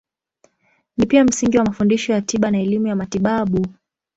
Ni pia msingi wa mafundisho ya tiba na elimu ya matibabu.